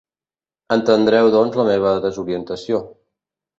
Entendreu doncs la meva desorientació.